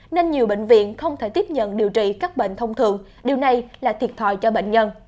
nên nhiều bệnh viện không thể tiếp nhận điều trị các bệnh thông thường điều này là thiệt thòi cho bệnh nhân